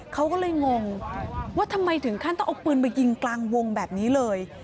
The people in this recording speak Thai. เขาก็เลยงงว่าทำไมถึงขั้นต้องเอาปืนมายิงกลางวงแบบนี้เลย